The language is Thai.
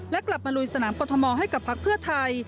และกลับมาลุยสนามกรทมให้กับพักเพื่อไทย